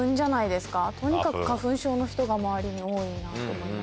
とにかく花粉症の人が周りに多いなと思います。